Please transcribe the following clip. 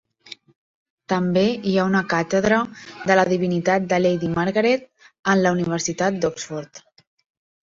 També hi ha una càtedra de la Divinitat de Lady Margaret en la Universitat d'Oxford.